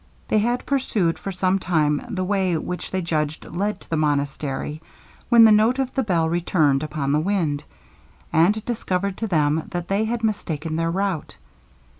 They had pursued for some time the way which they judged led to the monastery, when the note of the bell returned upon the wind, and discovered to them that they had mistaken their route.